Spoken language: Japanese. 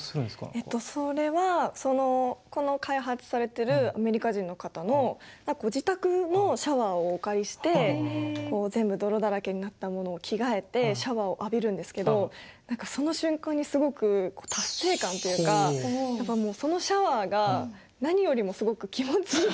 えっとそれはそのこの開発されてるアメリカ人の方のご自宅のシャワーをお借りして全部泥だらけになったものを着替えてシャワーを浴びるんですけど何かその瞬間にすごく達成感っていうかやっぱもうそのシャワーが何よりもすごく気持ちいいんですよ。